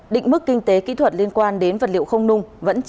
định mức kinh tế kỹ thuật liên quan đến vật liệu không nung